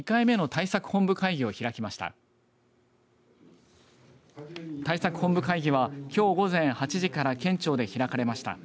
対策本部会議は、きょう午前８時から県庁で開かれました。